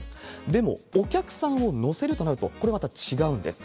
でも、お客さんを乗せるとなると、これまた違うんです。